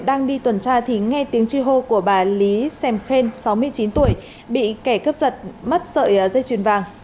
đang đi tuần tra thì nghe tiếng chi hô của bà lý xem sáu mươi chín tuổi bị kẻ cướp giật mất sợi dây chuyền vàng